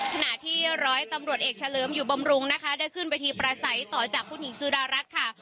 ขณะที่ร้อยตำรวจเอกเฉลิมอยู่บำรุงนะคะได้ขึ้นเวทีประสัยต่อจากคุณหญิงสุดารัฐค่ะ